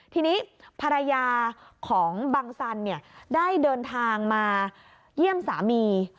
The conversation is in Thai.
ทีนี้ภรรยาของบังสันได้เดินทางมาเยี่ยมสามี